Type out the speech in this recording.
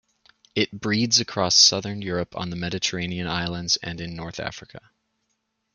It breeds across southern Europe, on the Mediterranean islands and in north Africa.